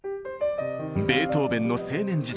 ベートーベンの青年時代。